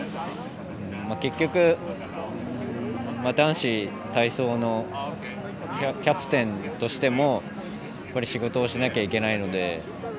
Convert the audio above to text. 結局男子体操のキャプテンとしても仕事をしなきゃいけないので。